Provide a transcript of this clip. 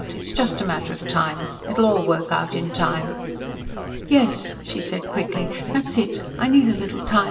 It's just a matter of time. It'll all work out in time." "Yes," she said quickly, "that's it. I need a little time.